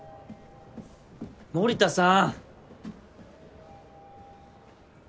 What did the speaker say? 森田さん！